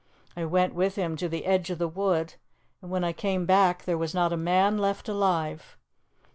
I went with him to the edge of the wood, and when I came back there was not a man left alive.